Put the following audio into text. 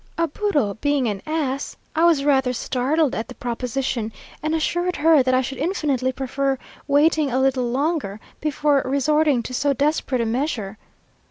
A burro being an ass, I was rather startled at the proposition, and assured her that I should infinitely prefer waiting a little longer before resorting to so desperate a measure.